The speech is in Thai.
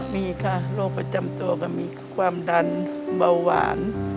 มีค่ะโรคประจำตัวก็มีความดันเบาหวาน